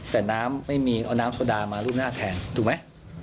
แต่น้ำไม่มีเอาน้ำโซดามารูปหน้าแทนถูกไหม